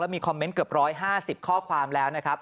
มีคอมเมนต์เกือบ๑๕๐ข้อความแล้วนะครับ